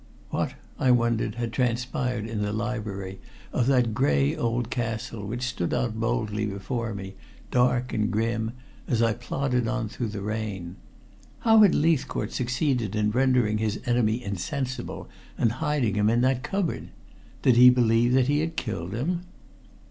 What, I wondered, had transpired in the library of that gray old castle which stood out boldly before me, dark and grim, as I plodded on through the rain? How had Leithcourt succeeded in rendering his enemy insensible and hiding him in that cupboard? Did he believe that he had killed him?